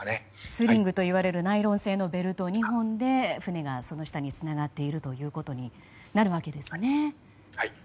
スリングと呼ばれるナイロン製のベルト２本で船がその下につながっているということになるわけですね。